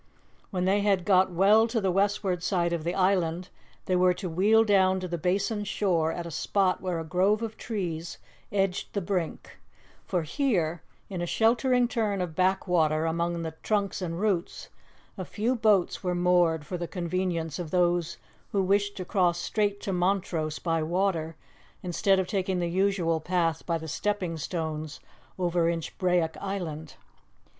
When they had got well to the westward side of the island, they were to wheel down to the Basin's shore at a spot where a grove of trees edged the brink; for here, in a sheltering turn of backwater among the trunks and roots, a few boats were moored for the convenience of those who wished to cross straight to Montrose by water instead of taking the usual path by the stepping stones over Inchbrayock Island.